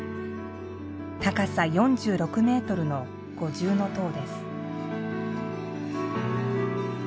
高さ４６メートルの五重塔です。